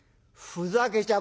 ふざけちゃ。